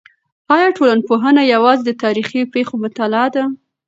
آیا ټولنپوهنه یوازې د تاریخي پېښو مطالعه ده؟